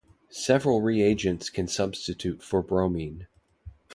Several reagents can substitute for bromine.